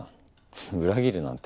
ふっ裏切るなんて。